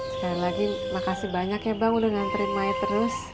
sekali lagi makasih banyak ya bang udah nganterin mayat terus